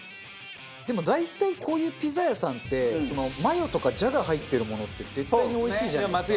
でも大体こういうピザ屋さんってマヨとかジャガ入ってるものって絶対においしいじゃないですか。